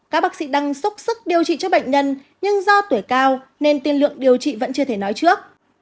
các bác sĩ đang xúc sức điều trị cho bệnh nhân nhưng do tuổi cao nên tiên lượng điều trị vẫn chưa thể nói trước